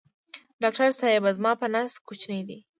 ډاکټر صېبې زما په نس کوچینی دی